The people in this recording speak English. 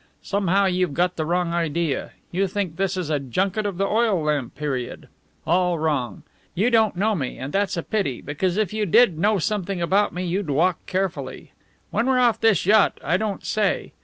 Somehow you've got the wrong idea. You think this is a junket of the oil lamp period. All wrong! You don't know me, and that's a pity; because if you did know something about me you'd walk carefully. When we're off this yacht, I don't say.